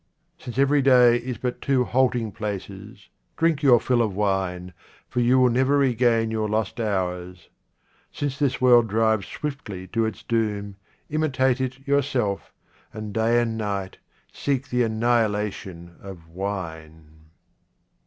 Since every day is but two halting places, drink your fill of wine, for you will never re gain your lost hours. Since this world drives swiftly to its doom, imitate it yourself, and day and night seek the annihilation of wine.